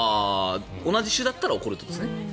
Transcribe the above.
同じ種だったら怒るってことですね。